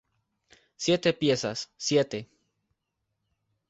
Siete piezas, siete".